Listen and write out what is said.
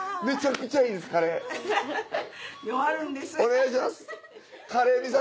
めちゃくちゃいいですカレー。